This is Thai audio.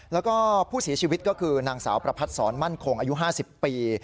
แล้วก็ผู้เสียชีวิตก็คือนางสาวประพัดศรมั่นคงอายุ๕๐ปี